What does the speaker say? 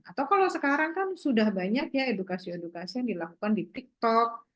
atau kalau sekarang kan sudah banyak ya edukasi edukasi yang dilakukan di tiktok